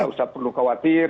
tidak usah perlu khawatir